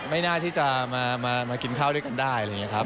ไม่น่าที่จะมากินข้าวด้วยกันได้